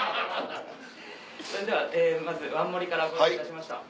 それではまずわん盛りからご用意いたしました